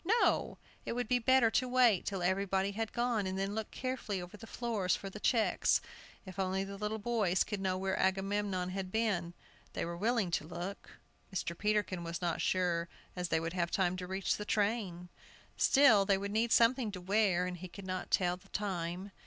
No, it would be better to wait till everybody had gone, and then look carefully over the floors for the checks; if only the little boys could know where Agamemnon had been, they were willing to look. Mr. Peterkin was not sure as they would have time to reach the train. Still, they would need something to wear, and he could not tell the time.